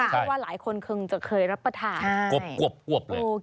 เพราะว่าหลายคนคงจะเคยรับประทานกวบเลย